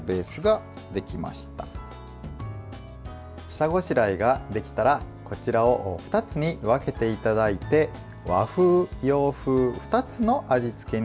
下ごしらえができたらこちらを２つに分けていただいて和風、洋風２つの味付けにしていきます。